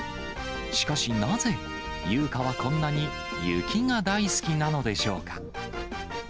しかし、なぜ、優香はこんなに雪が大好きなのでしょうか。